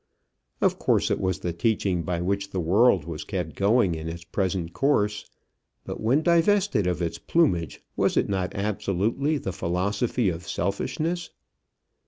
Of course it was the teaching by which the world was kept going in its present course; but when divested of its plumage was it not absolutely the philosophy of selfishness?